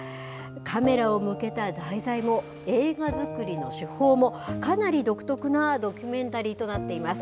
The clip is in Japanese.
カメラを向けた題材も、映画作りの手法も、かなり独特なドキュメンタリーとなっています。